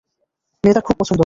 মেয়ে তার খুব পছন্দ হল।